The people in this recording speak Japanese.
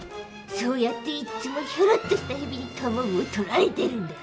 そうやっていつもヒョロッとしたヘビに卵を取られてるんだ。